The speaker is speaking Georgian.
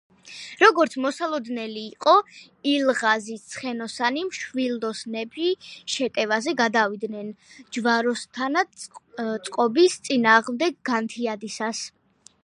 როგორც მოსალოდნელი იყო, ილღაზის ცხენოსანი მშვილდოსნები შეტევაზე გადავიდნენ ჯვაროსანთა წყობის წინააღმდეგ განთიადისას.